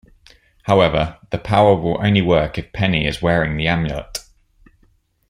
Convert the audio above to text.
However, the power will only work if Penny is wearing the amulet.